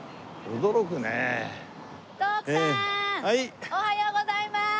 おはようございまーす！